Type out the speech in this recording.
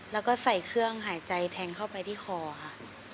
แล้วก็ใส่เครื่องหายใจแทงเข้าไปที่คอค่ะ